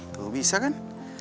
tuh bisa kan